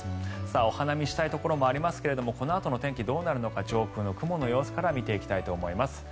お花見したいところもありますがこのあとの天気どうなるのか上空の雲の様子から見ていきたいと思います。